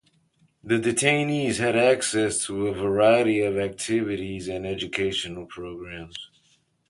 The detainees had access to a variety of activities and educational programs.